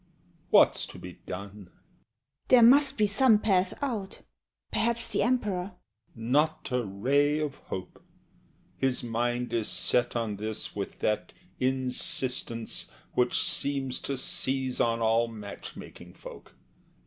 What's to be done? SHE. There must be some path out. Perhaps the Emperor HE. Not a ray of hope! His mind is set on this with that insistence Which seems to seize on all match making folk.